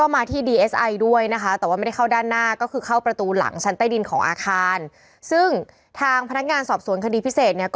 ไม่ให้ต้องมาถ่ายรูปอะไรอย่างนี้